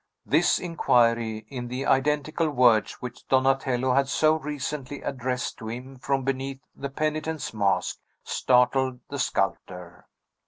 This inquiry, in the identical words which Donatello had so recently addressed to him from beneath the penitent's mask, startled the sculptor.